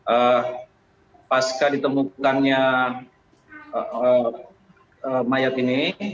apakah ditemukannya mayat ini